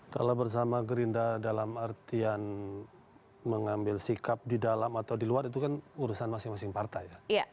kalau bersama gerindra dalam artian mengambil sikap di dalam atau di luar itu kan urusan masing masing partai ya